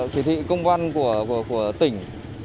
chỉ thị công văn của tỉnh